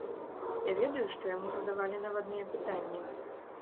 Я ведаю, што яму задавалі навадныя пытанні.